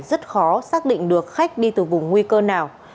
rất khó xác định được khách đi từ vùng nguy cơ nào